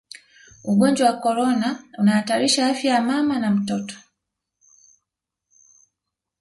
ugonjwa wa korona unahatarisha afya ya mama na mtoto